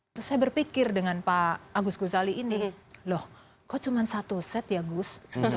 terus saya berpikir dengan pak agus gozali ini loh kok cuma satu set ya gus